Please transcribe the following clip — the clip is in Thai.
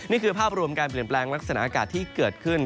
นี่คือภาพรวมการเปลี่ยนแปลงลักษณะอากาศที่เกิดขึ้น